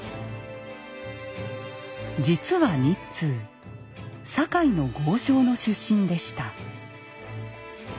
実は日通堺の豪商の出身でした。